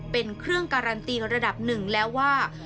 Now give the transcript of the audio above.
เป็นเครื่องการันตีระดับหนึ่งแล้วว่า